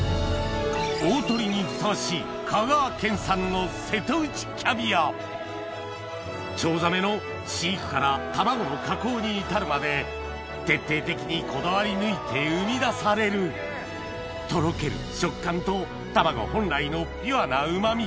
大トリにふさわしいチョウザメの飼育から卵の加工に至るまで徹底的にこだわり抜いて生み出されるとろける食感と卵本来のピュアなうま味